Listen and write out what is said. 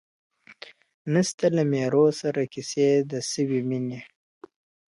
نسته له میرو سره کیسې د سوي میني.